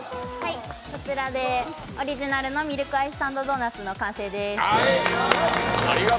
こちらでオリジナルのアイスサンドドーナツの完成です